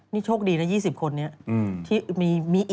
นี่โชคดีนะ๒๐คนนี้